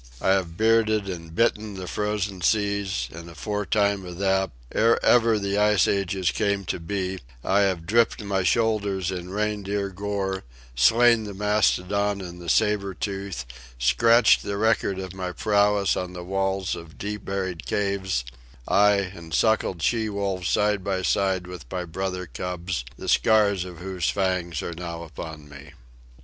I have bearded and bitten the frozen seas, and, aforetime of that, ere ever the ice ages came to be, I have dripped my shoulders in reindeer gore, slain the mastodon and the sabre tooth, scratched the record of my prowess on the walls of deep buried caves—ay, and suckled she wolves side by side with my brother cubs, the scars of whose fangs are now upon me."